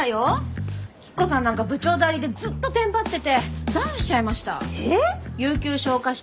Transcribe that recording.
吉子さんなんか部長代理でずっとテンパっててダウンしちゃいました。